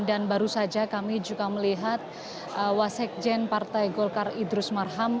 dan baru saja kami juga melihat washek jen partai golkar idrus marham